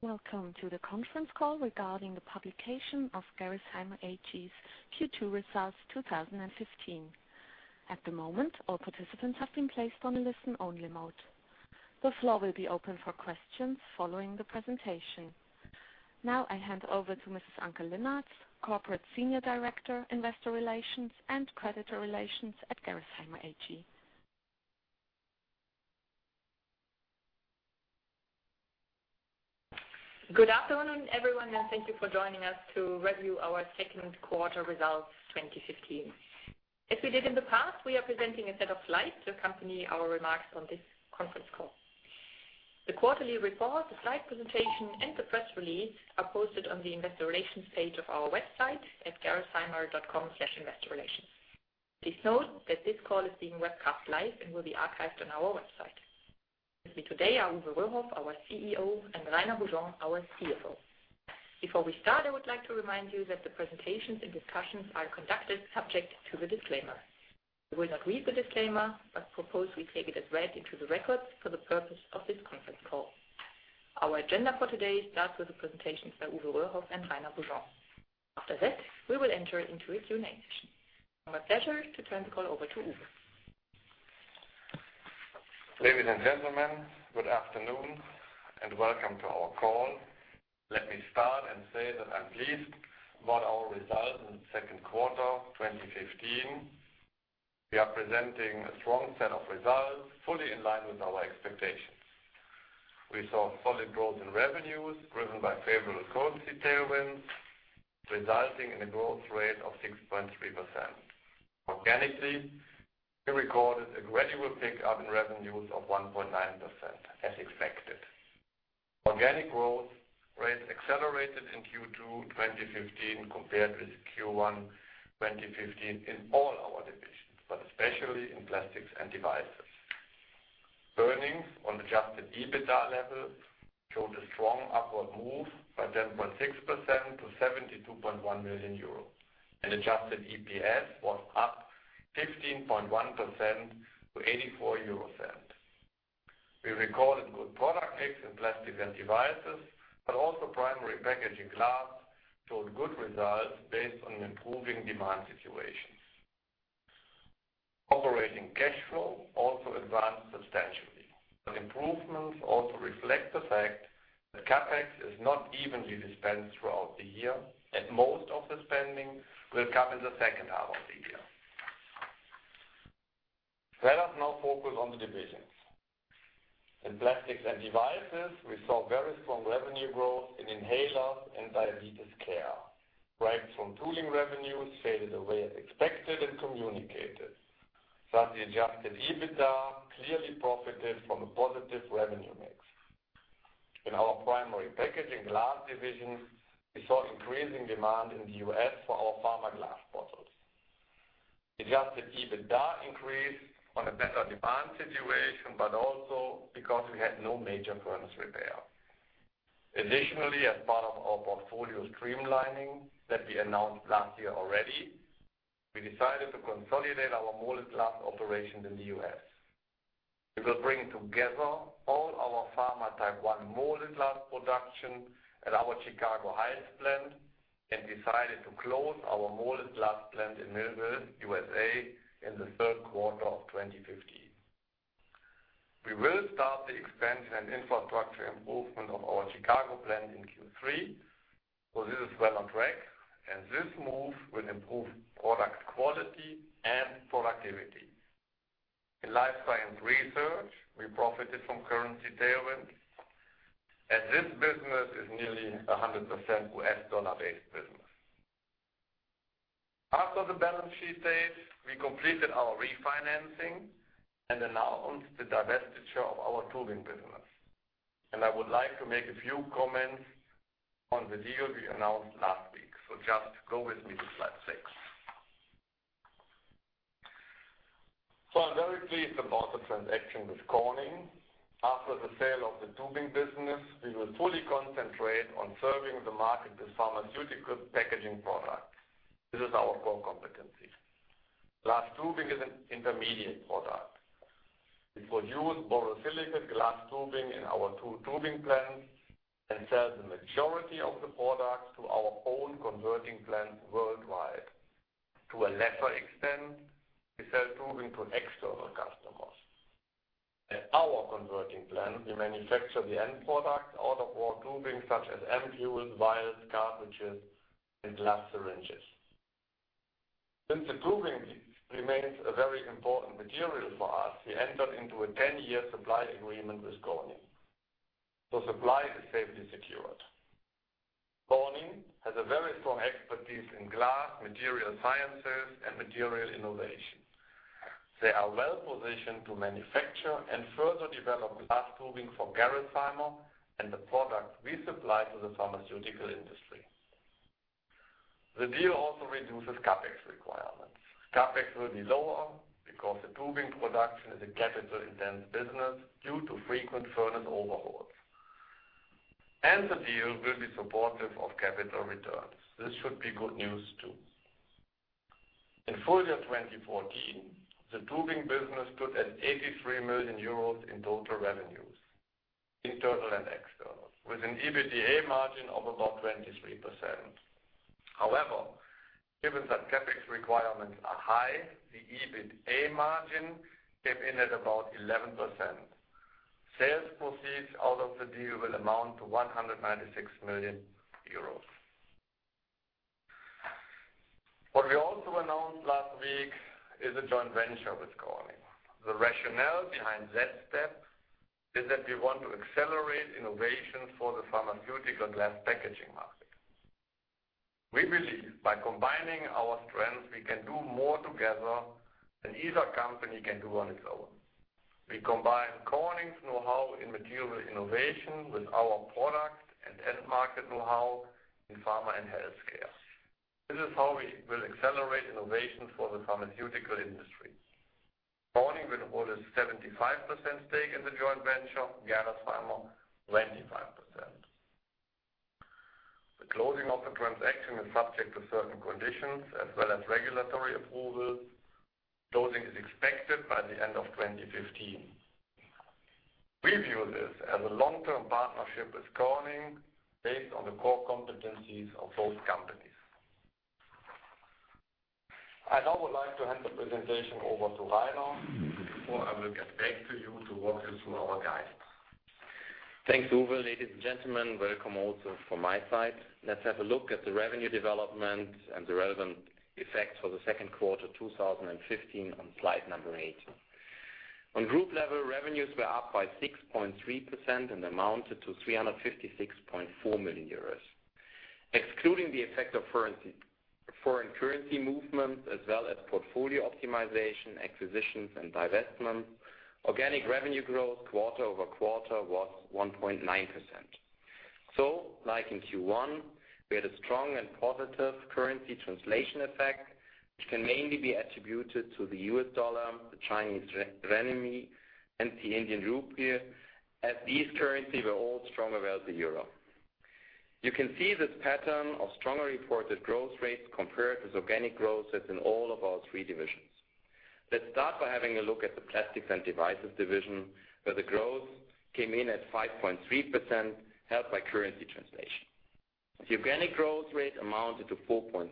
Welcome to the conference call regarding the publication of Gerresheimer AG's Q2 results 2015. At the moment, all participants have been placed on a listen-only mode. The floor will be open for questions following the presentation. Now I hand over to Mrs. Anke Linnartz, Corporate Senior Director, Investor Relations and Creditor Relations at Gerresheimer AG. Good afternoon, everyone, and thank you for joining us to review our second quarter results 2015. As we did in the past, we are presenting a set of slides to accompany our remarks on this conference call. The quarterly report, the slide presentation, and the press release are posted on the investor relations page of our website at gerresheimer.com/investorrelations. Please note that this call is being webcast live and will be archived on our website. With me today are Uwe Röhrhoff, our CEO, and Rainer Beaujean, our CFO. Before we start, I would like to remind you that the presentations and discussions are conducted subject to the disclaimer. We will not read the disclaimer but propose we take it as read into the record for the purpose of this conference call. Our agenda for today starts with the presentations by Uwe Röhrhoff and Rainer Beaujean. After that, we will enter into a Q&A session. It's now my pleasure to turn the call over to Uwe. Ladies and gentlemen, good afternoon and welcome to our call. Let me start and say that I'm pleased about our results in the second quarter 2015. We are presenting a strong set of results fully in line with our expectations. We saw solid growth in revenues, driven by favorable currency tailwinds, resulting in a growth rate of 6.3%. Organically, we recorded a gradual pick-up in revenues of 1.9%, as expected. Organic growth rates accelerated in Q2 2015 compared with Q1 2015 in all our divisions, but especially in Plastics & Devices. Earnings on adjusted EBITDA level showed a strong upward move by 10.6% to 72.1 million euro, and adjusted EPS was up 15.1% to 0.84. We recorded good product mix in Plastics & Devices, but also Primary Packaging Glass showed good results based on improving demand situations. Operating cash flow also advanced substantially. The improvements also reflect the fact that CapEx is not evenly dispensed throughout the year, Most of the spending will come in the second half of the year. Let us now focus on the divisions. In Plastics & Devices, we saw very strong revenue growth in inhalers and diabetes care. Rights from tubing revenues faded away as expected and communicated. The adjusted EBITDA clearly profited from a positive revenue mix. In our Primary Packaging Glass division, we saw increasing demand in the U.S. for our pharma glass bottles. Adjusted EBITDA increased on a better demand situation, Also because we had no major furnace repair. Additionally, as part of our portfolio streamlining that we announced last year already, we decided to consolidate our molded glass operations in the U.S. We will bring together all our pharma Type I molded glass production at our Chicago Heights plant and decided to close our molded glass plant in Millville, U.S., in the third quarter of 2015. We will start the expansion and infrastructure improvement of our Chicago plant in Q3. This is well on track, This move will improve product quality and productivity. In Life Science Research, we profited from currency tailwinds, as this business is nearly 100% U.S. dollar-based business. After the balance sheet date, we completed our refinancing and announced the divestiture of our tubing business, I would like to make a few comments on the deal we announced last week. Just go with me to slide six. I'm very pleased about the transaction with Corning. After the sale of the tubing business, we will fully concentrate on serving the market with pharmaceutical packaging products. This is our core competency. Glass tubing is an intermediate product. We produce borosilicate glass tubing in our two tubing plants and sell the majority of the products to our own converting plants worldwide. To a lesser extent, we sell tubing to external customers. At our converting plant, we manufacture the end product out of raw tubing, such as ampoules, vials, cartridges, and glass syringes. Since the tubing remains a very important material for us, we entered into a 10-year supply agreement with Corning. Supply is safely secured. Corning has a very strong expertise in glass, material sciences, and material innovation. They are well positioned to manufacture and further develop glass tubing for Gerresheimer and the products we supply to the pharmaceutical industry. The deal also reduces CapEx requirements. CapEx will be lower because the tubing production is a capital-intense business due to frequent furnace overhauls. The deal will be supportive of capital returns. This should be good news, too. In full year 2014, the tubing business stood at 83 million euros in total revenues, internal and external, with an EBITDA margin of about 23%. However, given that CapEx requirements are high, the EBITA margin came in at about 11%. Sales proceeds out of the deal will amount to 196 million euros. What we also announced last week is a joint venture with Corning. The rationale behind that step is that we want to accelerate innovation for the pharmaceutical glass packaging market. We believe by combining our strengths, we can do more together than either company can do on its own. We combine Corning's know-how in material innovation with our product and end market know-how in pharma and healthcare. This is how we will accelerate innovation for the pharmaceutical industry. Corning will hold a 75% stake in the joint venture, Gerresheimer 25%. The closing of the transaction is subject to certain conditions as well as regulatory approvals. Closing is expected by the end of 2015. We view this as a long-term partnership with Corning based on the core competencies of both companies. I now would like to hand the presentation over to Rainer, before I will get back to you to walk you through our guidance. Thanks, Uwe. Ladies and gentlemen, welcome also from my side. Let's have a look at the revenue development and the relevant effects for the second quarter 2015 on slide number eight. On group level, revenues were up by 6.3% and amounted to 356.4 million euros. Excluding the effect of foreign currency movement as well as portfolio optimization, acquisitions, and divestment, organic revenue growth quarter-over-quarter was 1.9%. Like in Q1, we had a strong and positive currency translation effect, which can mainly be attributed to the US dollar, the Chinese renminbi, and the Indian rupee, as these currency were all stronger than the euro. You can see this pattern of stronger reported growth rates compared with organic growth that's in all of our three divisions. Let's start by having a look at the Plastics & Devices division, where the growth came in at 5.3%, helped by currency translation. The organic growth rate amounted to 4.6%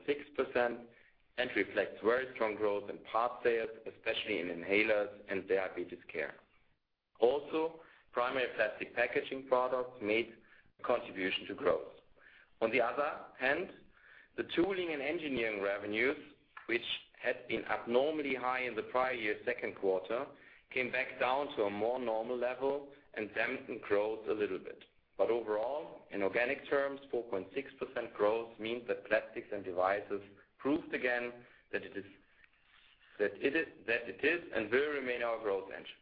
and reflects very strong growth in part sales, especially in inhalers and diabetes care. Also, primary plastic packaging products made a contribution to growth. On the other hand, the tooling and engineering revenues, which had been abnormally high in the prior year second quarter, came back down to a more normal level and dampened growth a little bit. Overall, in organic terms, 4.6% growth means that Plastics & Devices proved again that it is and will remain our growth engine.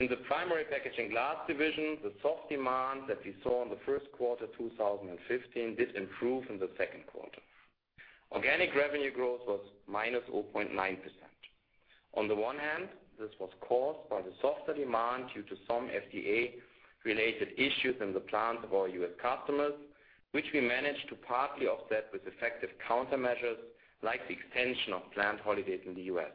In the Primary Packaging Glass division, the soft demand that we saw in the first quarter 2015 did improve in the second quarter. Organic revenue growth was -0.9%. On the one hand, this was caused by the softer demand due to some FDA-related issues in the plants of our U.S. customers, which we managed to partly offset with effective countermeasures, like the extension of plant holidays in the U.S.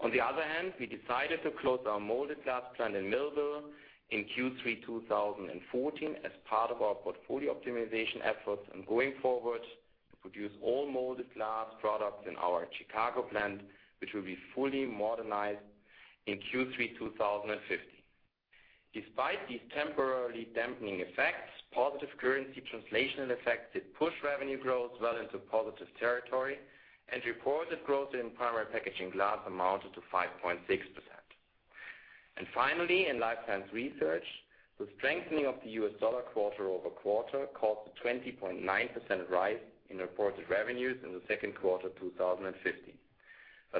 On the other hand, we decided to close our molded glass plant in Millville in Q3 2014 as part of our portfolio optimization efforts and going forward to produce all molded glass products in our Chicago plant, which will be fully modernized in Q3 2015. Despite these temporarily dampening effects, positive currency translation effects did push revenue growth well into positive territory, and reported growth in Primary Packaging Glass amounted to 5.6%. Finally, in Life Science Research, the strengthening of the US dollar quarter-over-quarter caused a 20.9% rise in reported revenues in the second quarter 2015.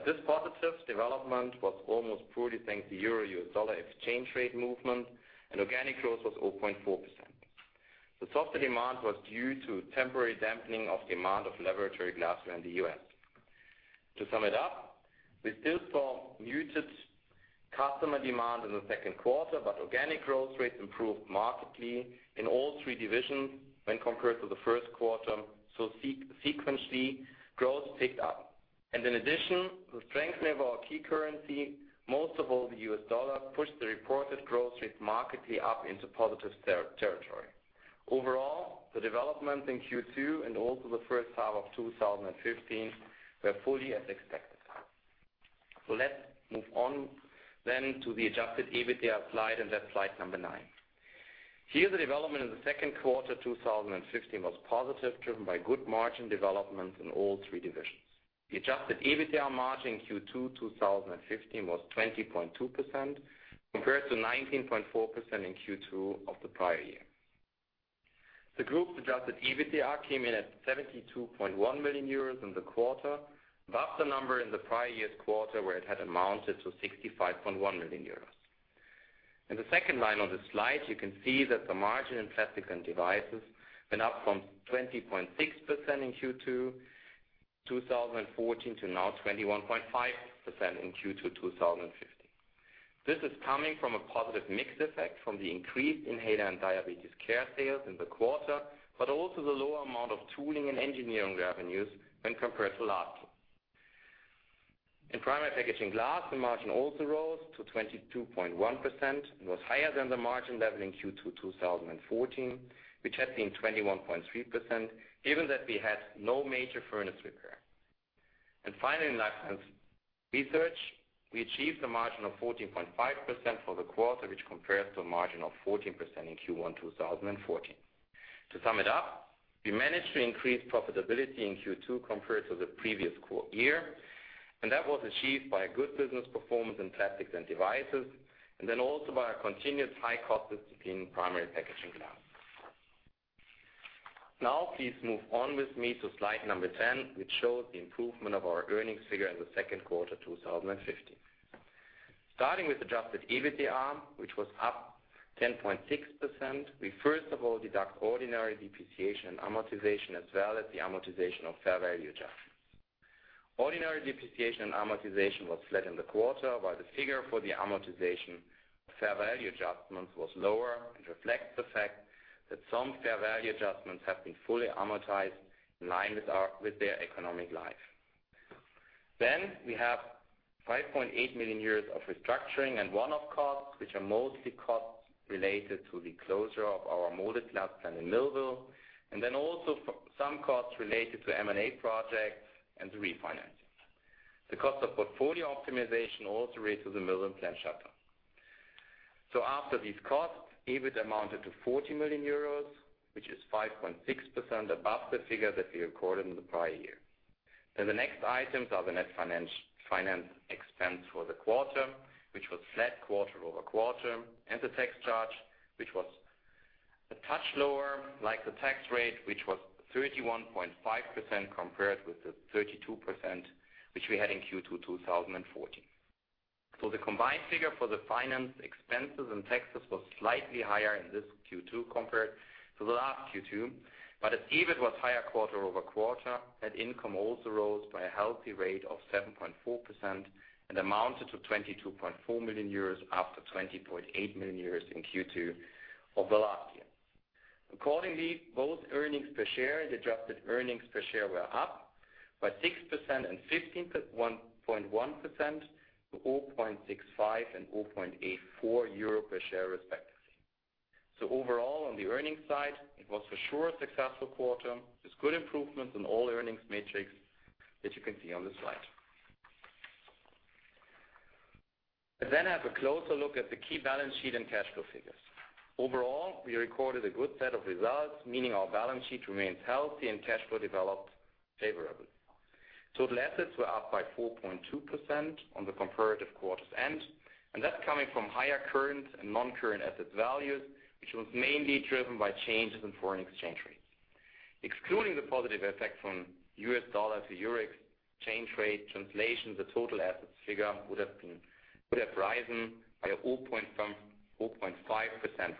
This positive development was almost purely thanks to euro-U.S. dollar exchange rate movement, and organic growth was 0.4%. The softer demand was due to temporary dampening of demand of laboratory glassware in the U.S. To sum it up, we still saw muted customer demand in the second quarter, but organic growth rates improved markedly in all three divisions when compared to the first quarter. Sequentially, growth ticked up. In addition, the strengthening of our key currency, most of all the U.S. dollar, pushed the reported growth rates markedly up into positive territory. Overall, the development in Q2 and also the first half of 2015 were fully as expected. Let's move on then to the adjusted EBITDA slide, and that's slide number nine. Here, the development in the second quarter 2015 was positive, driven by good margin development in all three divisions. The adjusted EBITDA margin in Q2 2015 was 20.2%, compared to 19.4% in Q2 of the prior year. The group's adjusted EBITDA came in at 72.1 million euros in the quarter, above the number in the prior year's quarter, where it had amounted to 65.1 million euros. In the second line of the slide, you can see that the margin in Plastics & Devices went up from 20.6% in Q2 2014 to now 21.5% in Q2 2015. This is coming from a positive mix effect from the increased inhaler and diabetes care sales in the quarter, but also the lower amount of tooling and engineering revenues when compared to last year. In Primary Packaging Glass, the margin also rose to 22.1%, and was higher than the margin level in Q2 2014, which had been 21.3%, given that we had no major furnace repair. Finally, in Life Science Research, we achieved a margin of 14.5% for the quarter, which compares to a margin of 14% in Q1 2014. To sum it up, we managed to increase profitability in Q2 compared to the previous year, and that was achieved by a good business performance in Plastics & Devices, then also by our continued high cost discipline in Primary Packaging Glass. Please move on with me to slide number 10, which shows the improvement of our earnings figure in the second quarter 2015. Starting with adjusted EBITDA, which was up 10.6%, we first of all deduct ordinary depreciation and amortization, as well as the amortization of fair value adjustments. Ordinary depreciation and amortization was flat in the quarter, while the figure for the amortization of fair value adjustments was lower and reflects the fact that some fair value adjustments have been fully amortized in line with their economic life. We have 5.8 million of restructuring and one-off costs, which are mostly costs related to the closure of our molded glass plant in Millville, then also some costs related to M&A projects and the refinancing. The cost of portfolio optimization also relates to the Millville plant shutdown. After these costs, EBIT amounted to 40 million euros, which is 5.6% above the figure that we recorded in the prior year. The next items are the net finance expense for the quarter, which was flat quarter-over-quarter, and the tax charge, which was a touch lower, like the tax rate, which was 31.5% compared with the 32% which we had in Q2 2014. The combined figure for the finance expenses and taxes was slightly higher in this Q2 compared to the last Q2. As EBIT was higher quarter-over-quarter, net income also rose by a healthy rate of 7.4% and amounted to 22.4 million euros after 20.8 million euros in Q2 of the last year. Accordingly, both earnings per share and adjusted earnings per share were up by 6% and 15.1% to 0.65 and 0.84 euro per share, respectively. Overall, on the earnings side, it was for sure a successful quarter, with good improvements in all earnings metrics that you can see on the slide. Let's then have a closer look at the key balance sheet and cash flow figures. Overall, we recorded a good set of results, meaning our balance sheet remains healthy and cash flow developed favorably. Total assets were up by 4.2% on the comparative quarter's end, and that's coming from higher current and non-current asset values, which was mainly driven by changes in foreign exchange rates. Excluding the positive effect from U.S. dollar to euro exchange rate translation, the total assets figure would have risen by a 0.5%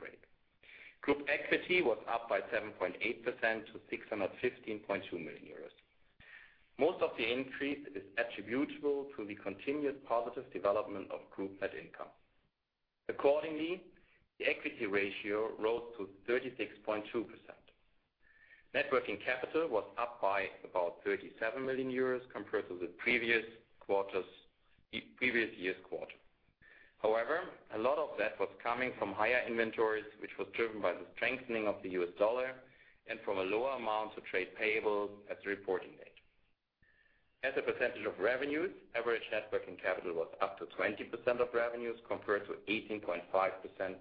rate. Group equity was up by 7.8% to 615.2 million euros. Most of the increase is attributable to the continued positive development of group net income. Accordingly, the equity ratio rose to 36.2%. Net working capital was up by about 37 million euros compared to the previous year's quarter. A lot of that was coming from higher inventories, which was driven by the strengthening of the U.S. dollar and from a lower amount of trade payables as a reporting rate. As a percentage of revenues, average net working capital was up to 20% of revenues compared to 18.5%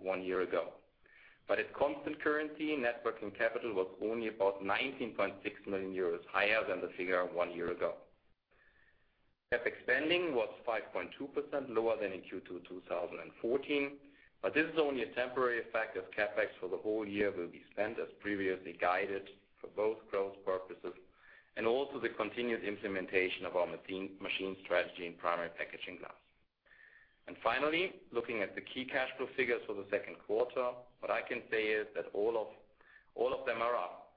one year ago. At constant currency, net working capital was only about 19.6 million euros higher than the figure one year ago. CapEx spending was 5.2% lower than in Q2 2014, but this is only a temporary effect, as CapEx for the whole year will be spent as previously guided for both growth purposes and also the continued implementation of our machine strategy in Primary Packaging Glass. Finally, looking at the key cash flow figures for the second quarter, what I can say is that all of them are up.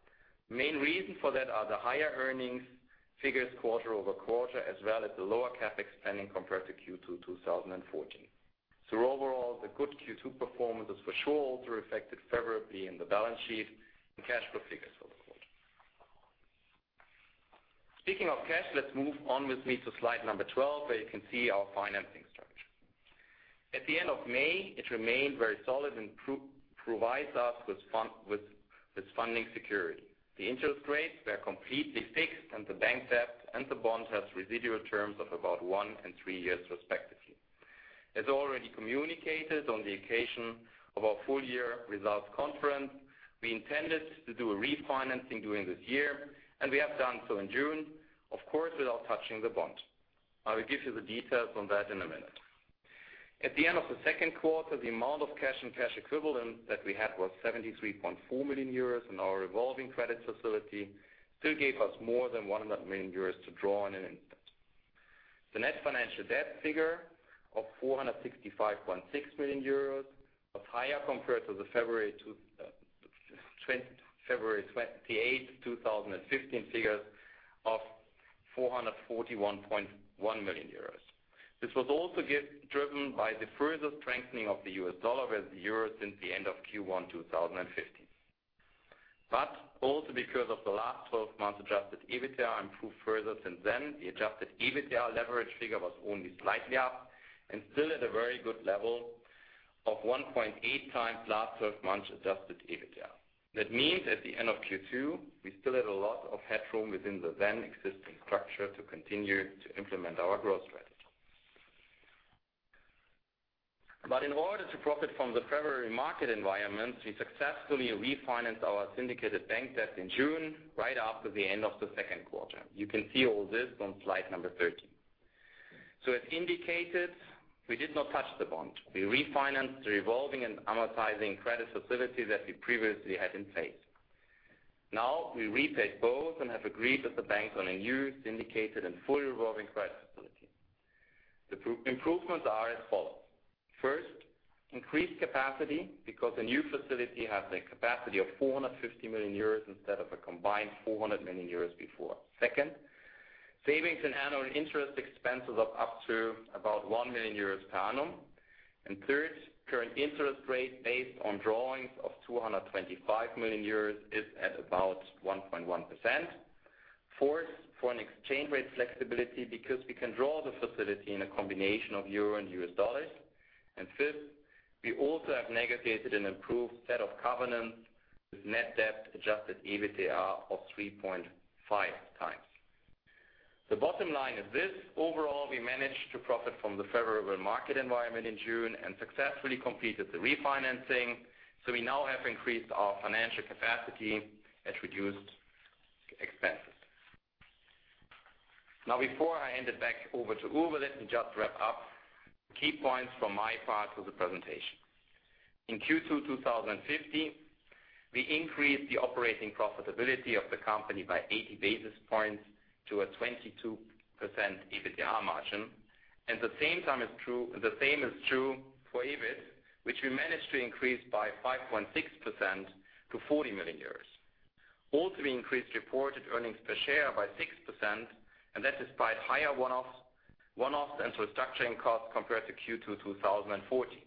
Main reason for that are the higher earnings figures quarter-over-quarter, as well as the lower CapEx spending compared to Q2 2014. Overall, the good Q2 performance is for sure also reflected favorably in the balance sheet and cash flow figures for the quarter. Speaking of cash, let's move on with me to slide 12, where you can see our financing structure. At the end of May, it remained very solid and provides us with funding security. The interest rates were completely fixed, and the bank debt and the bond have residual terms of about one and three years respectively. As already communicated on the occasion of our full year results conference, we intended to do a refinancing during this year, and we have done so in June, of course, without touching the bond. I will give you the details on that in a minute. At the end of the second quarter, the amount of cash and cash equivalents that we had was 73.4 million euros, our revolving credit facility still gave us more than 100 million euros to draw on in an instant. The net financial debt figure of 465.6 million euros was higher compared to the February 28, 2015 figures of 441.1 million euros. This was also driven by the further strengthening of the US dollar with the euro since the end of Q1 2015. Also because of the last 12 months adjusted EBITDA improved further since then, the adjusted EBITDA leverage figure was only slightly up and still at a very good level of 1.8 times last 12 months adjusted EBITDA. That means at the end of Q2, we still had a lot of headroom within the then existing structure to continue to implement our growth strategy. In order to profit from the primary market environment, we successfully refinanced our syndicated bank debt in June, right after the end of the second quarter. You can see all this on slide number 13. As indicated, we did not touch the bond. We refinanced the revolving and amortizing credit facility that we previously had in place. We repaid both and have agreed with the bank on a new syndicated and fully revolving credit facility. The improvements are as follows. First, increased capacity because the new facility has a capacity of 450 million euros instead of a combined 400 million euros before. Second, savings in annual interest expenses of up to about 1 million euros per annum. Third, current interest rate based on drawings of 225 million euros is at about 1.1%. Fourth, foreign exchange rate flexibility because we can draw the facility in a combination of euro and US dollars. Fifth, we also have negotiated an improved set of covenants with net debt adjusted EBITDA of 3.5 times. The bottom line is this, overall, we managed to profit from the favorable market environment in June and successfully completed the refinancing, so we now have increased our financial capacity at reduced expenses. Before I hand it back over to Uwe, let me just wrap up key points from my part of the presentation. In Q2 2015, we increased the operating profitability of the company by 80 basis points to a 22% EBITDA margin, the same is true for EBIT, which we managed to increase by 5.6% to 40 million euros. Also, we increased reported earnings per share by 6%, and that despite higher one-offs and restructuring costs compared to Q2 2014.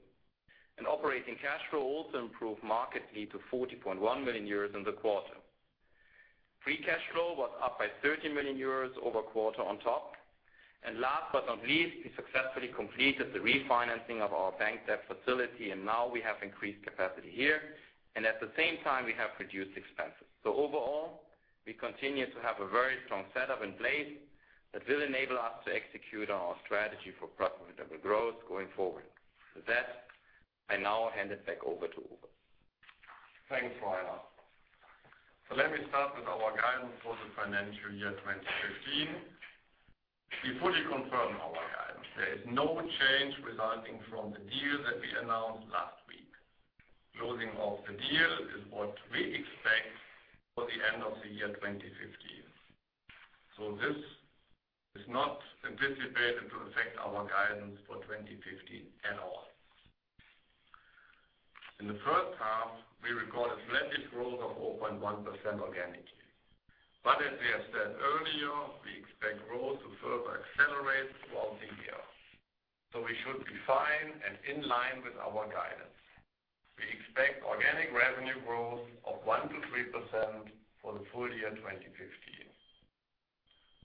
Operating cash flow also improved markedly to 40.1 million euros in the quarter. Free cash flow was up by 30 million euros over quarter on top. Last but not least, we successfully completed the refinancing of our bank debt facility, and now we have increased capacity here. At the same time we have reduced expenses. Overall, we continue to have a very strong setup in place that will enable us to execute on our strategy for profitable growth going forward. With that, I now hand it back over to Uwe. Thanks, Rainer. Let me start with our guidance for the financial year 2015. We fully confirm our guidance. There is no change resulting from the deal that we announced last week. Closing of the deal is what we expect for the end of the year 2015. This is not anticipated to affect our guidance for 2015 at all. In the first half, we recorded a slight growth of 0.1% organically. As we have said earlier, we expect growth to further accelerate throughout the year. We should be fine and in line with our guidance. We expect organic revenue growth of 1%-3% for the full year 2015.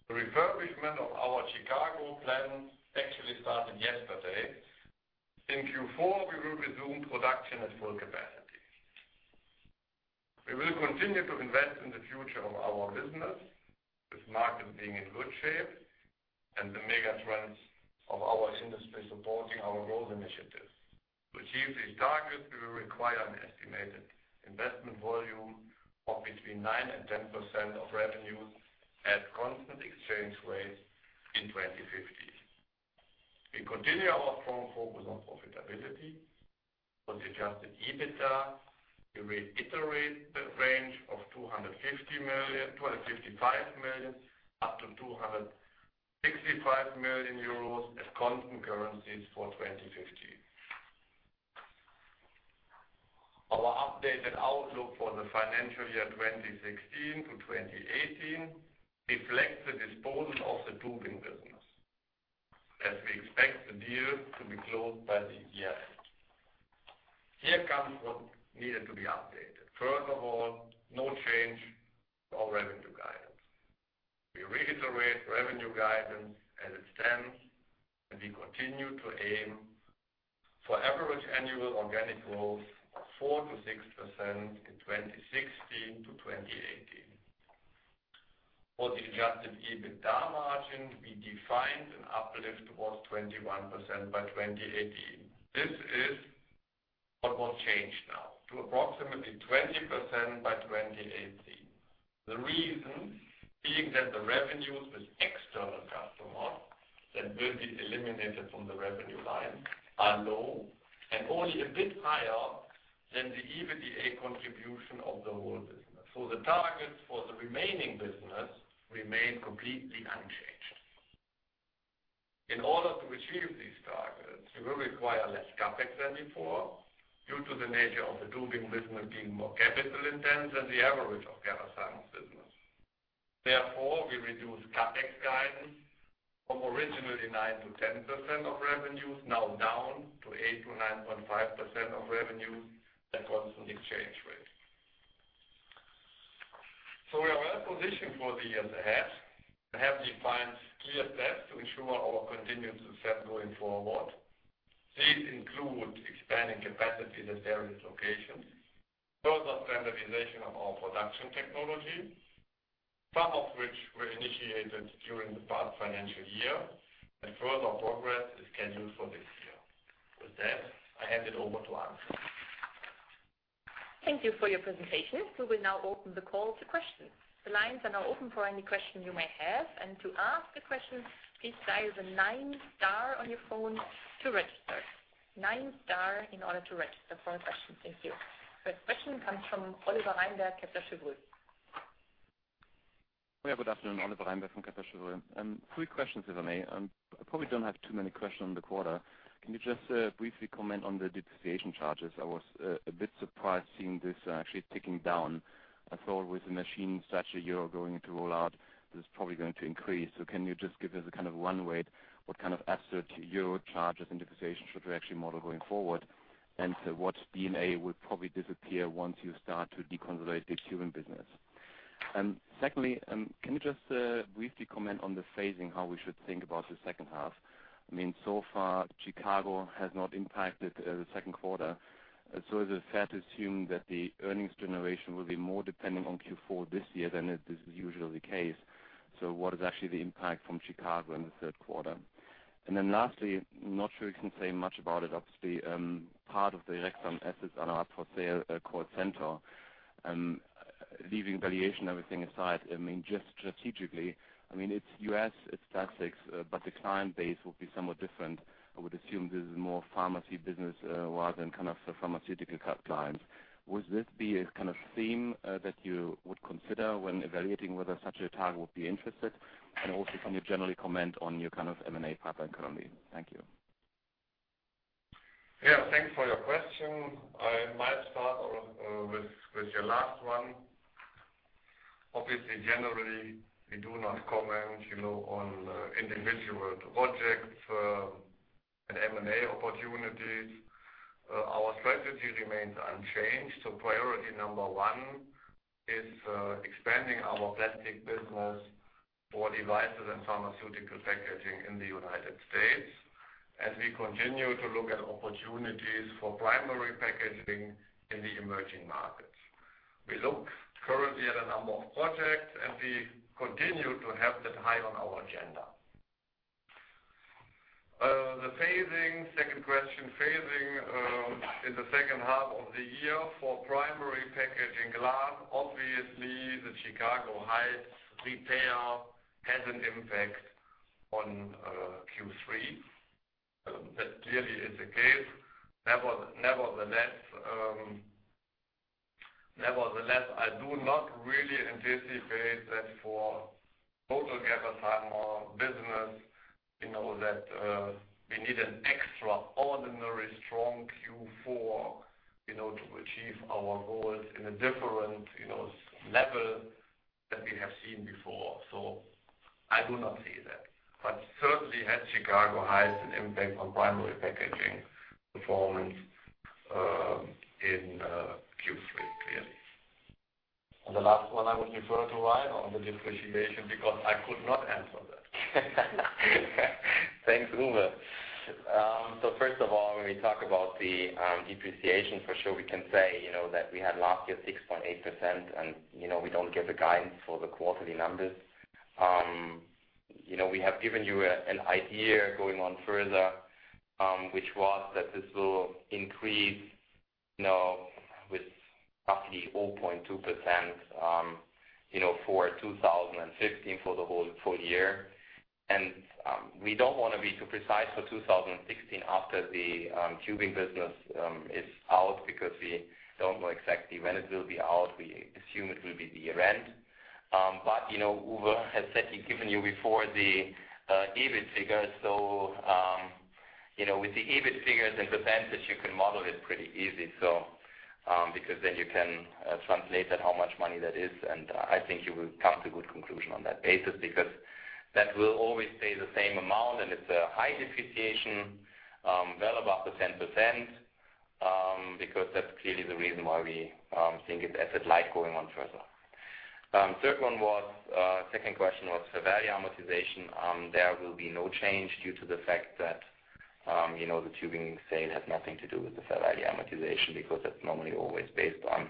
The refurbishment of our Chicago plant actually started yesterday. In Q4, we will resume production at full capacity. We will continue to invest in the future of our business with market being in good shape and the mega trends of our industry supporting our growth initiatives. To achieve these targets, we will require an estimated investment volume of between 9% and 10% of revenues at constant exchange rates in 2015. We continue our strong focus on profitability. For the adjusted EBITDA, we reiterate the range of 255 million up to 265 million euros at constant currencies for 2015. Our updated outlook for the financial year 2016 to 2018 reflects the disposal of the tubing business as we expect the deal to be closed by the year end. Here comes what needed to be updated. First of all, no change to our revenue guidance. We reiterate revenue guidance as it stands. We continue to aim for average annual organic growth of 4%-6% in 2016 to 2018. For the adjusted EBITDA margin, we defined an uplift towards 21% by 2018. This is what was changed now to approximately 20% by 2018. The reason being that the revenues with external customers that will be eliminated from the revenue line are low and only a bit higher than the EBITDA contribution of the whole business. The targets for the remaining business remain completely unchanged. In order to receive these targets, we will require less CapEx than before due to the nature of the tubing business being more capital-intensive than the average of Gerresheimer's business. Therefore, we reduce CapEx guidance from originally 9%-10% of revenues, now down to 8%-9.5% of revenue at constant exchange rate. We are well positioned for the years ahead. We have defined clear steps to ensure our continued success going forward. These include expanding capacity at various locations, further standardization of our production technology, some of which were initiated during the past financial year. Further progress is scheduled for this year. With that, I hand it over to Hans. Thank you for your presentation. We will now open the call to questions. The lines are now open for any question you may have. To ask a question, please dial the nine star on your phone to register. Nine star in order to register for a question. Thank you. First question comes from Oliver Reinberg, Kepler Cheuvreux. Yeah, good afternoon. Oliver Reinberg from Kepler Cheuvreux. Three questions, if I may. I probably don't have too many questions on the quarter. Can you just briefly comment on the depreciation charges? I was a bit surprised seeing this actually ticking down. I thought with the machines that you are going to roll out, this is probably going to increase. Can you just give us a one-way, what kind of assets you charge as depreciation should we actually model going forward? What D&A would probably disappear once you start to deconsolidate the tubing business? Secondly, can you just briefly comment on the phasing, how we should think about the second half? So far, Chicago has not impacted the second quarter. Is it fair to assume that the earnings generation will be more dependent on Q4 this year than it is usually the case? What is actually the impact from Chicago in the third quarter? Lastly, not sure you can say much about it. Obviously, part of the Rexam assets are now up for sale at Call Center. Leaving valuation, everything aside, just strategically, it's U.S., it's plastics, but the client base will be somewhat different. I would assume this is more pharmacy business rather than pharmaceutical clients. Would this be a theme that you would consider when evaluating whether such a target would be interested? Also, can you generally comment on your M&A pipeline currently? Thank you. Yeah. Thanks for your question. I might start with your last one. Obviously, generally, we do not comment on individual projects and M&A opportunities. Our strategy remains unchanged. Priority number one is expanding our plastic business for devices and pharmaceutical packaging in the United States, as we continue to look at opportunities for primary packaging in the emerging markets. We look currently at a number of projects, we continue to have that high on our agenda. The phasing, second question, phasing in the second half of the year for Primary Packaging Glass. Obviously, the Chicago Heights retail has an impact on Q3. That clearly is the case. Nevertheless, I do not really anticipate that for total Gerresheimer business, that we need an extraordinary strong Q4 to achieve our goals in a different level that we have seen before. I do not see that. Certainly had Chicago Heights an impact on primary packaging performance in Q3, clearly. The last one, I would refer to Rainer on the depreciation because I could not answer that. Thanks, Uwe. First of all, when we talk about the depreciation, for sure, we can say that we had last year 6.8%, and we don't give the guidance for the quarterly numbers. We have given you an idea going on further, which was that this will increase with roughly 0.2% for 2015 for the whole full year. We don't want to be too precise for 2016 after the tubing business is out, because we don't know exactly when it will be out. We assume it will be year-end. Uwe has certainly given you before the EBIT figures. With the EBIT figures and percentage, you can model it pretty easy. Then you can translate that how much money that is, I think you will come to a good conclusion on that basis because that will always stay the same amount, and it's a high depreciation, well above the 10%, because that's clearly the reason why we think it's asset light going on further. Second question was PPA amortization. There will be no change due to the fact that the tubing sale has nothing to do with the PPA amortization, because that's normally always based on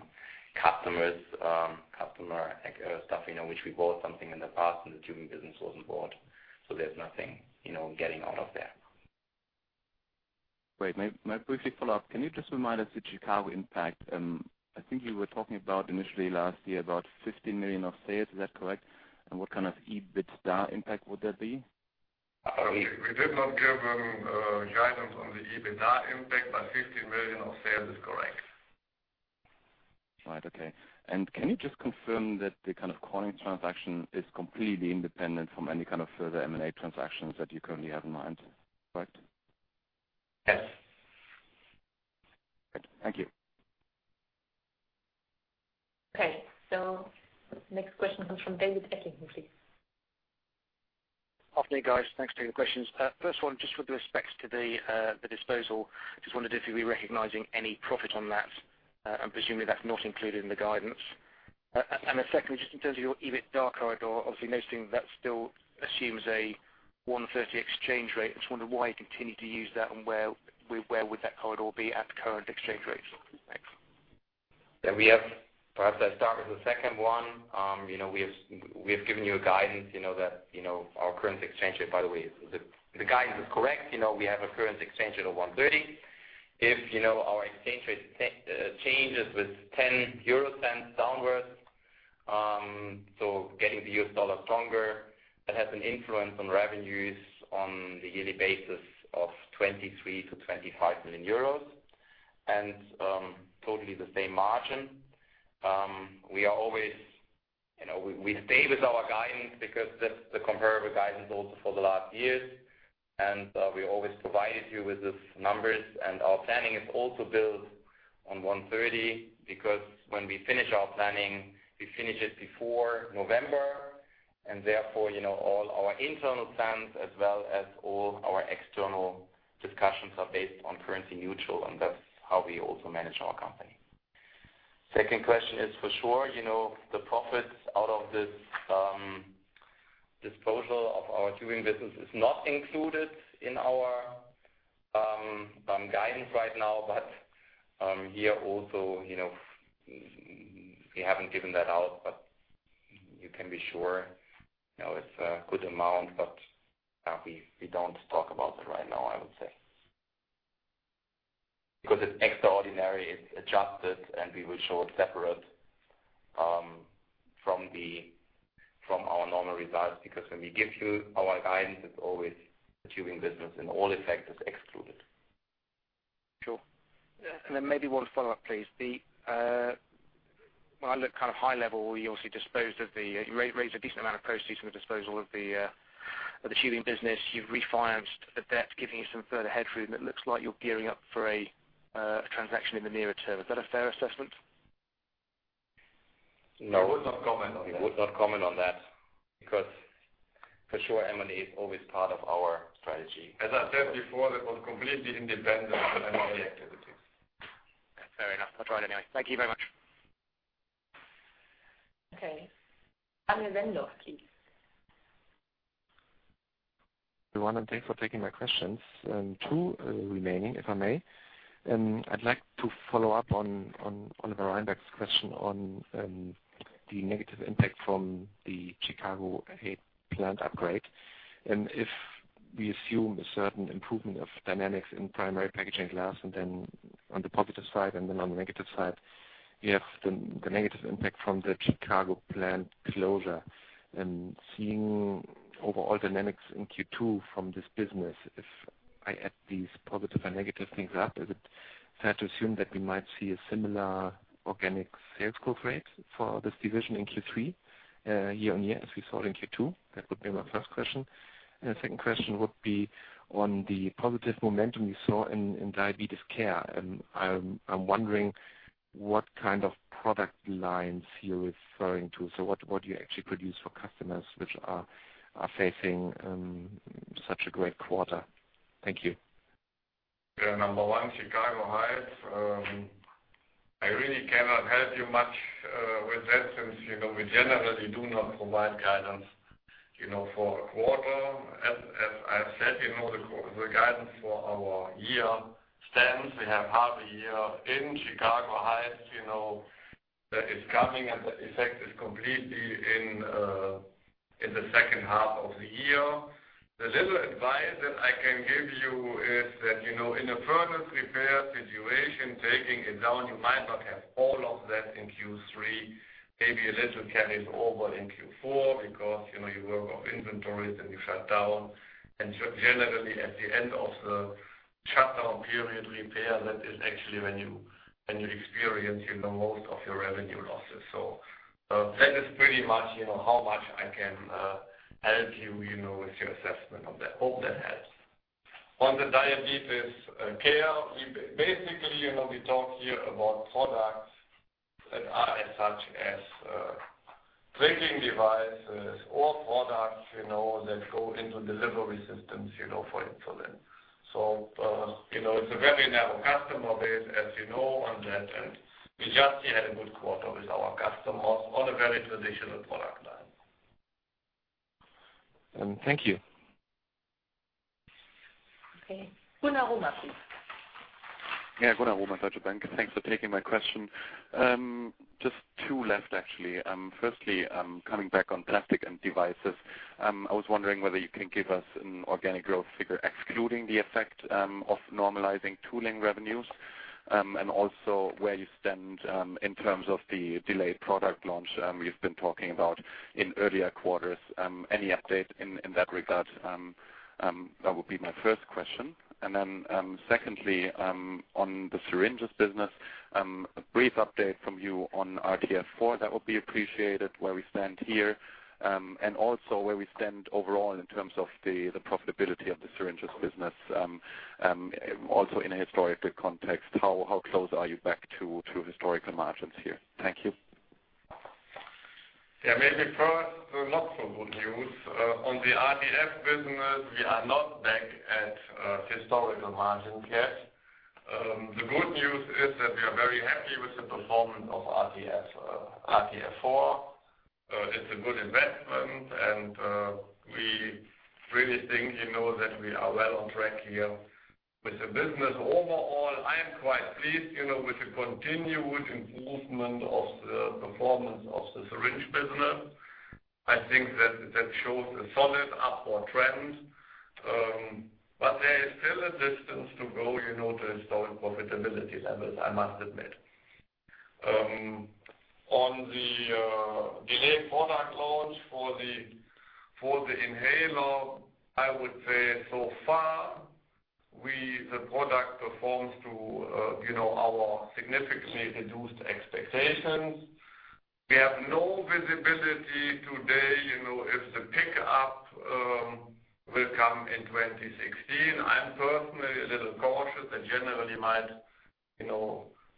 customer stuff, which we bought something in the past and the tubing business wasn't bought. There's nothing getting out of there. Great. May I briefly follow up? Can you just remind us the Chicago impact? I think you were talking about initially last year, about 15 million of sales. Is that correct? What kind of EBITDA impact would that be? We did not give guidance on the EBITDA impact, but 15 million of sales is correct. Right. Okay. Can you just confirm that the Corning transaction is completely independent from any kind of further M&A transactions that you currently have in mind, correct? Yes. Thank you. Okay. Next question comes from David Adlington, please. Afternoon, guys. Thanks for taking the questions. First one, just with respect to the disposal. Just wondered if you'll be recognizing any profit on that, and presumably that's not included in the guidance. Secondly, just in terms of your EBITDA corridor, obviously noticing that still assumes a 130 exchange rate. I just wonder why you continue to use that and where would that corridor be at the current exchange rates. Thanks. Perhaps I start with the second one. We have given you a guidance, our current exchange rate, by the way, the guidance is correct. We have a current exchange rate of 130. If our exchange rate changes with 0.10 downwards, so getting the US dollar stronger, that has an influence on revenues on the yearly basis of 23 million-25 million euros and totally the same margin. We stay with our guidance because that's the comparable guidance also for the last years, and we always provided you with these numbers and our planning is also built on 130 because when we finish our planning, we finish it before November, and therefore, all our internal plans as well as all our external discussions are based on currency neutral, and that's how we also manage our company. Second question is for sure, the profits out of this disposal of our tubing business is not included in our guidance right now. Here also, we haven't given that out, but you can be sure it's a good amount, but we don't talk about it right now, I would say. Because it's extraordinary, it's adjusted, and we will show it separate from our normal results, because when we give you our guidance, it's always the tubing business and all effects is excluded. Sure. Then maybe one follow-up, please. When I look high level, you obviously raised a decent amount of proceeds from the disposal of the tubing business. You've refinanced the debt, giving you some further headroom, and it looks like you're gearing up for a transaction in the nearer term. Is that a fair assessment? No. I would not comment on that. We would not comment on that because for sure M&A is always part of our strategy. As I said before, that was completely independent of M&A activities. Fair enough. I'll try it anyway. Thank you very much. Okay. Daniel Wendorff, please. Good morning. Thanks for taking my questions. Two remaining, if I may. I'd like to follow up on Oliver Reinberg's question on the negative impact from the Chicago Heights plant upgrade. If we assume a certain improvement of dynamics in Primary Packaging Glass and then on the positive side and then on the negative side, you have the negative impact from the Chicago plant closure and seeing overall dynamics in Q2 from this business, if I add these positive and negative things up, is it fair to assume that we might see a similar organic sales growth rate for this division in Q3 year-on-year as we saw in Q2? That would be my first question. The second question would be on the positive momentum we saw in Diabetes Care, I'm wondering what kind of product lines you're referring to. What do you actually produce for customers which are facing such a great quarter? Thank you. Yeah. Number one, Chicago Heights. I really cannot help you much with that since we generally do not provide guidance for a quarter. As I've said, the guidance for our year stands. We have half a year in Chicago Heights that is coming. The effect is completely in the second half of the year. The little advice that I can give you is that, in a furnace repair situation, taking it down, you might not have all of that in Q3. Maybe a little carries over in Q4 because you work off inventories and you shut down. Generally, at the end of the shutdown period repair, that is actually when you experience most of your revenue losses. That is pretty much how much I can help you with your assessment of that. Hope that helps. On the Diabetes Care, basically, we talk here about products that are as such as lancing devices or products that go into delivery systems for insulin. It's a very narrow customer base, as you know on that end. We just had a good quarter with our customers on a very traditional product line. Thank you. Okay. Gunnar Rychlik, please. Yeah, Gunnar Rychlik, Deutsche Bank. Thanks for taking my question. Just two left, actually. Firstly, coming back on Plastics & Devices. I was wondering whether you can give us an organic growth figure excluding the effect of normalizing tooling revenues. Also where you stand in terms of the delayed product launch we've been talking about in earlier quarters. Any update in that regard? That would be my first question. Then secondly, on the syringes business, a brief update from you on RTF4, that would be appreciated, where we stand here. Also where we stand overall in terms of the profitability of the syringes business, also in a historical context, how close are you back to historical margins here? Thank you. Maybe first, not so good news. On the RTF business, we are not back at historical margins yet. The good news is that we are very happy with the performance of RTF4. It's a good investment, and we really think that we are well on track here with the business. Overall, I am quite pleased with the continued improvement of the performance of the syringe business. I think that shows a solid upward trend. There is still a distance to go to historical profitability levels, I must admit. On the delayed product launch for the inhaler, I would say so far, the product performs to our significantly reduced expectations. We have no visibility today if the pickup will come in 2016. I'm personally a little cautious and generally might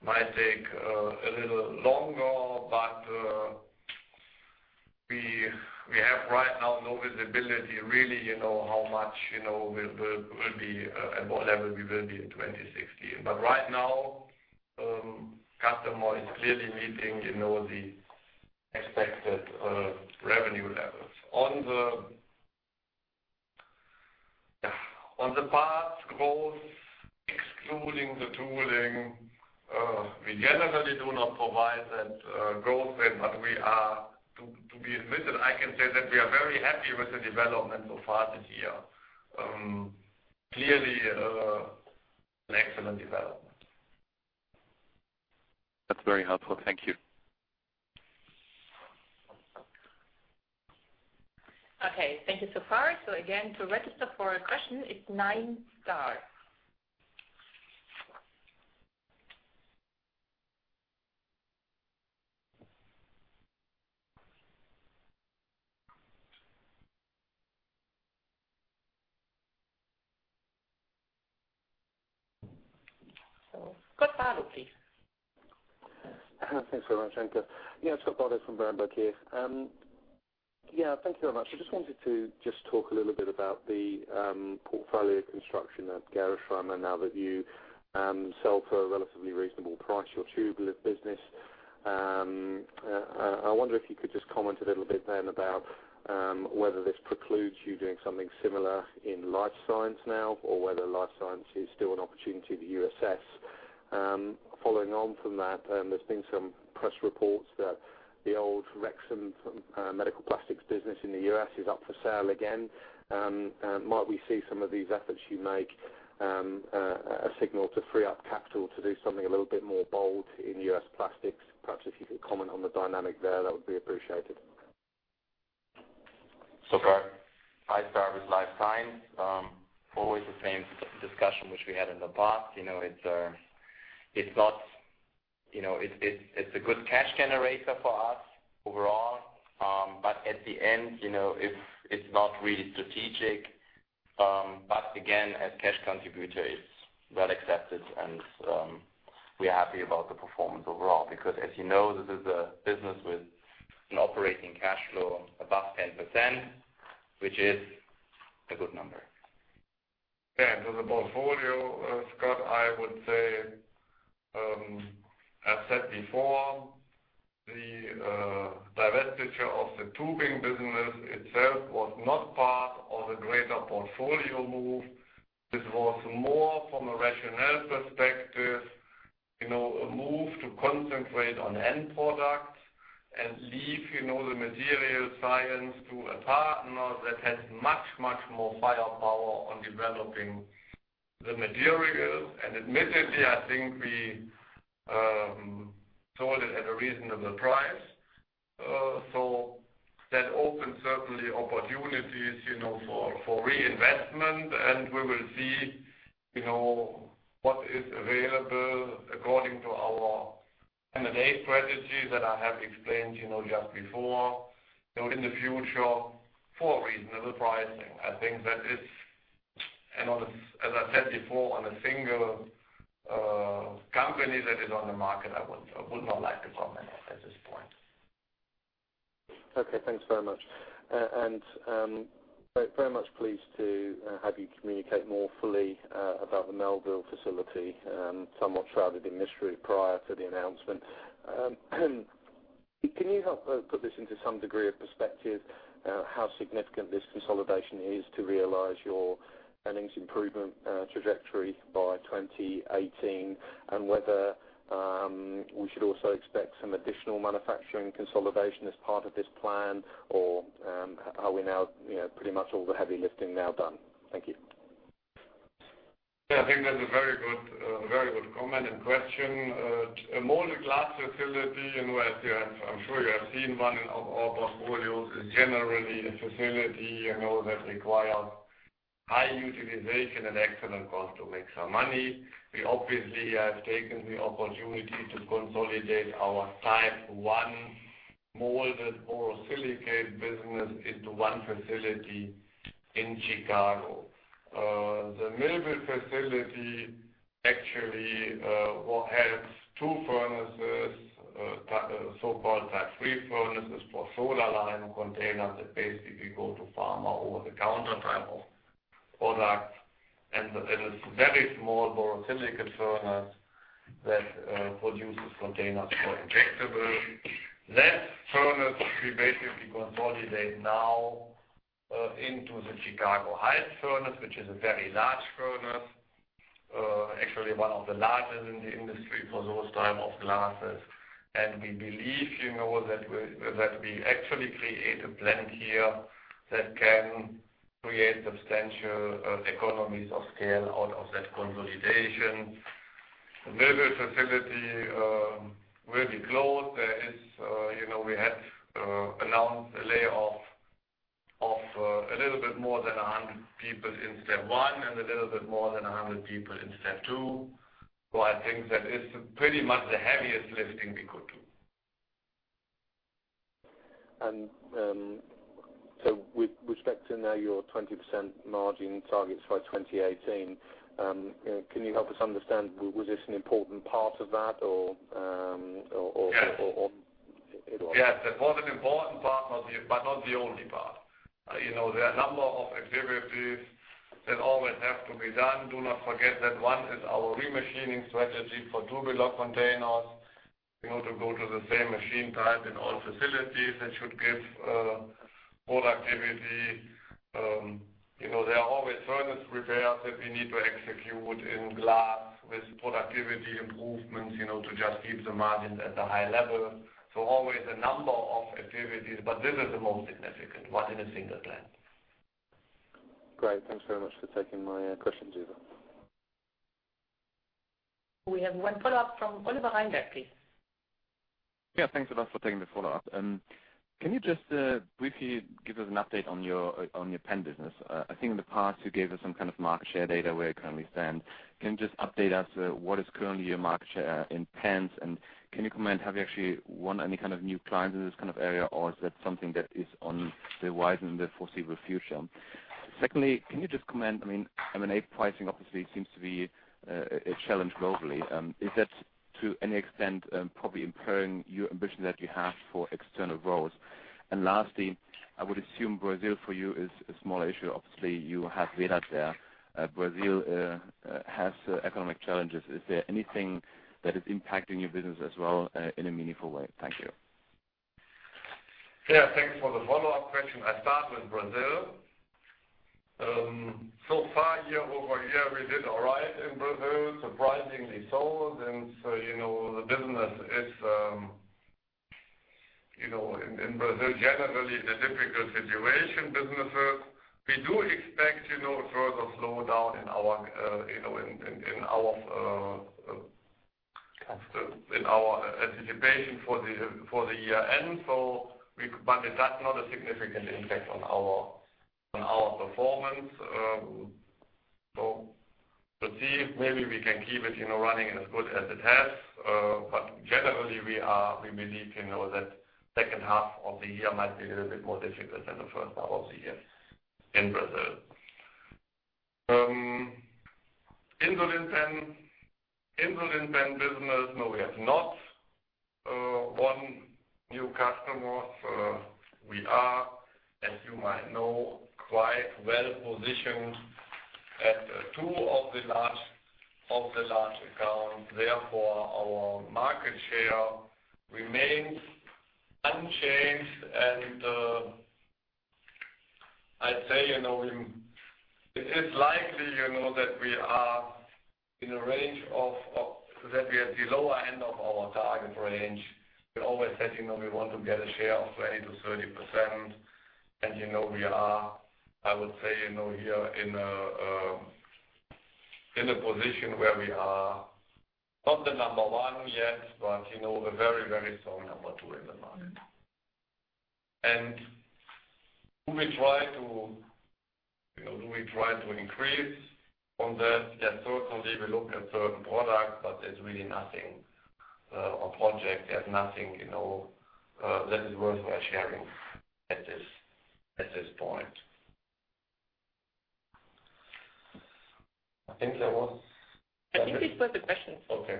take a little longer. We have right now no visibility really how much will be, at what level we will be in 2016. Right now, customer is clearly meeting the expected revenue levels. On the parts growth, excluding the tooling, we generally do not provide that growth rate. To be admitted, I can say that we are very happy with the development so far this year. Clearly, an excellent development. That's very helpful. Thank you. Okay, thank you so far. Again, to register for a question, it's nine star. Scott Bardo, please. Thanks very much, Anke. Scott Bardo from Berenberg here. Thank you very much. I just wanted to talk a little bit about the portfolio construction at Gerresheimer now that you sold for a relatively reasonable price, your tubular business. I wonder if you could just comment a little bit then about whether this precludes you doing something similar in Life Science now, or whether Life Science is still an opportunity that you assess. Following on from that, there's been some press reports that the old Rexam medical plastics business in the U.S. is up for sale again. Might we see some of these efforts you make, a signal to free up capital to do something a little bit more bold in U.S. plastics? Perhaps if you could comment on the dynamic there, that would be appreciated. Scott, I start with Life Science. Always the same discussion which we had in the past. It's a good cash generator for us overall, but at the end, it's not really strategic. Again, as cash contributor, it's well accepted and we're happy about the performance overall. Because, as you know, this is a business with an operating cash flow above 10%, which is a good number. To the portfolio, Scott, I would say, I've said before, the divestiture of the tubing business itself was not part of a greater portfolio move. This was more from a rationale perspective, a move to concentrate on end products and leave the material science to a partner that has much, much more firepower on developing the materials. Admittedly, I think we sold it at a reasonable price. That opens, certainly, opportunities for reinvestment, and we will see what is available according to our M&A strategy that I have explained just before, in the future for a reasonable pricing. I think that it's, and as I said before, on a single company that is on the market, I would not like to comment at this point. Okay, thanks very much. Very much pleased to have you communicate more fully about the Millville facility. Somewhat shrouded in mystery prior to the announcement. Can you help put this into some degree of perspective, how significant this consolidation is to realize your earnings improvement trajectory by 2018, and We should also expect some additional manufacturing consolidation as part of this plan, or are we now pretty much all the heavy lifting now done? Thank you. Yeah, I think that's a very good comment and question. A molded glass facility, and I'm sure you have seen one in our portfolios, is generally a facility that requires high utilization and excellent cost to make some money. We obviously have taken the opportunity to consolidate our Type I molded borosilicate business into one facility in Chicago. The Millville facility actually has two furnaces, so-called type III furnaces for soda-lime containers that basically go to pharma over-the-counter type of products. It is a very small borosilicate furnace that produces containers for injectables. That furnace we basically consolidate now into the Chicago height furnace, which is a very large furnace, actually one of the largest in the industry for those type of glasses. We believe that we actually create a plant here that can create substantial economies of scale out of that consolidation. The Millville facility will be closed. We had announced a layoff of a little bit more than 100 people in step 1 and a little bit more than 100 people in step 2. I think that is pretty much the heaviest lifting we could do. With respect to now your 20% margin targets by 2018, can you help us understand, was this an important part of that or? Yes. It was. Yes, that was an important part, but not the only part. There are a number of activities that always have to be done. Do not forget that one is our re-machining strategy for tubular containers to go to the same machine type in all facilities that should give productivity. There are always furnace repairs that we need to execute in glass with productivity improvements, to just keep the margins at a high level. Always a number of activities, but this is the most significant one in a single plant. Great. Thanks very much for taking my questions, Uwe. We have one follow-up from Oliver Reinberg, please. Thanks a lot for taking the follow-up. Can you just briefly give us an update on your pen business? I think in the past you gave us some kind of market share data where you currently stand. Can you just update us, what is currently your market share in pens, and can you comment, have you actually won any kind of new clients in this kind of area, or is that something that is on the rise in the foreseeable future? Secondly, can you just comment, I mean, M&A pricing obviously seems to be a challenge globally. Is that to any extent probably impairing your ambition that you have for external growth? And lastly, I would assume Brazil for you is a small issue. Obviously, you have Vedat there. Brazil has economic challenges. Is there anything that is impacting your business as well in a meaningful way? Thank you. Thanks for the follow-up question. I start with Brazil. So far, year-over-year, we did all right in Brazil, surprisingly so, since the business is, in Brazil generally, in a difficult situation, businesses. We do expect further slowdown in our anticipation for the year end. It has not a significant impact on our performance. Let's see if maybe we can keep it running as good as it has. Generally, we believe that second half of the year might be a little bit more difficult than the first half of the year in Brazil. Insulin pen business, no, we have not won new customers. We are, as you might know, quite well-positioned at two of the large accounts, therefore our market share remains unchanged. I'd say, it is likely that we are in a range that we are at the lower end of our target range. We always said we want to get a share of 20%-30%. We are, I would say, here in a position where we are not the number one yet, but a very, very strong number two in the market. Do we try to increase from that? Certainly, we look at certain products, but there's really nothing on project. There's nothing that is worthwhile sharing at this point. I think there was. I think these were the questions. Okay.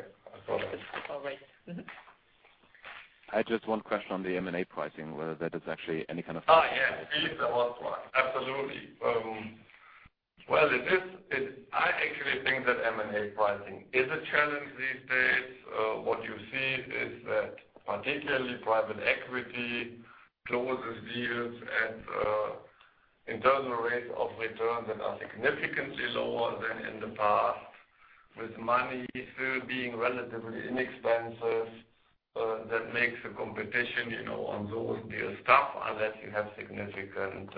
All right. I had just one question on the M&A pricing, whether there is actually any kind of- Yes. Please. There was one. Absolutely. Well, I actually think that M&A pricing is a challenge these days. What you see is that particularly private equity closes deals at internal rates of return that are significantly lower than in the past. With money still being relatively inexpensive, that makes the competition on those deals tough unless you have significant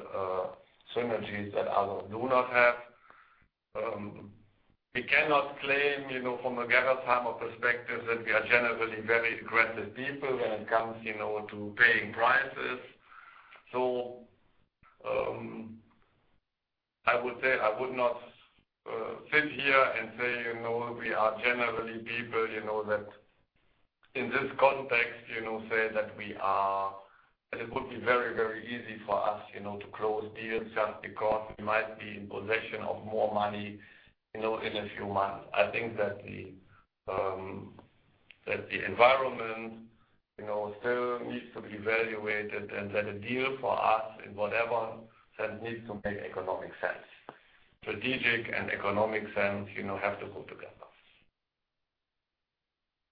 synergies that others do not have. We cannot claim from a Gerresheimer perspective that we are generally very aggressive people when it comes to paying prices. I would say I would not sit here and say we are generally people that, in this context, say that it would be very, very easy for us to close deals just because we might be in possession of more money in a few months. I think that the environment still needs to be evaluated and that a deal for us in whatever sense needs to make economic sense. Strategic and economic sense have to go together.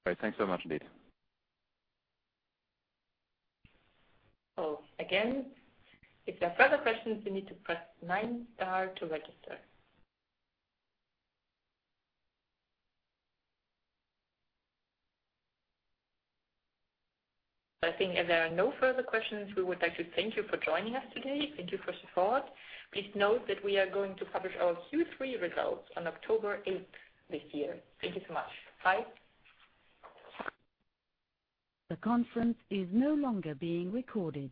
All right. Thanks so much indeed. Again, if there are further questions, you need to press nine star to register. I think if there are no further questions, we would like to thank you for joining us today. Thank you for support. Please note that we are going to publish our Q3 results on October 8th this year. Thank you so much. Bye. The conference is no longer being recorded.